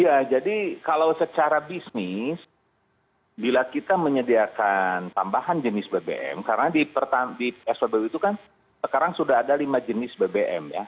iya jadi kalau secara bisnis bila kita menyediakan tambahan jenis bbm karena di spbu itu kan sekarang sudah ada lima jenis bbm ya